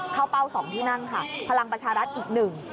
เป้าสองที่นั่งค่ะพลังประชารัฐอีกหนึ่ง